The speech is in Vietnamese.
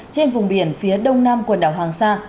trên vùng biển phía đông nam quần đảo hoàng sa